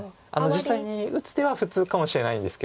実際に打つ手は普通かもしれないんですけど。